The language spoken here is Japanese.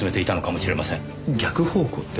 逆方向って？